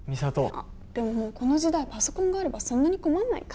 あっでももうこの時代パソコンがあればそんなに困んないか。